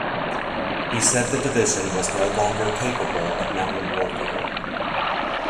He said the division was no longer capable of mountain warfare.